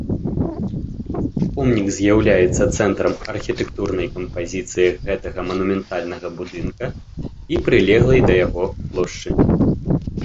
Помнік з'яўляецца цэнтрам архітэктурнай кампазіцыі гэтага манументальнага будынка і прылеглай да яго плошчы.